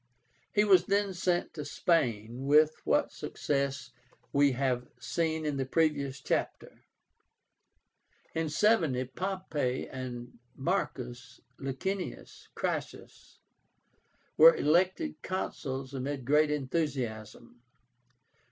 He was then sent to Spain, with what success we have seen in the previous chapter. In 70 Pompey and MARCUS LICINIUS CRASSUS were elected Consuls amid great enthusiasm.